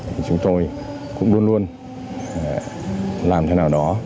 thì chúng tôi cũng luôn luôn làm thế nào đó